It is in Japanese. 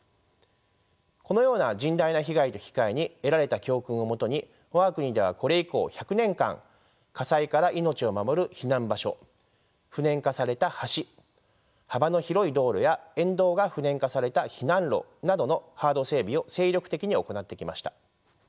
このような甚大な被害と引き換えに得られた教訓を基に我が国ではこれ以降１００年間火災から命を守る避難場所不燃化された橋幅の広い道路や沿道が不燃化された避難路などのハード整備を精力的に行ってきました。